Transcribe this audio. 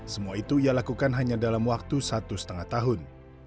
semua itu ia lakukan hanya dalam waktu satu lima tahun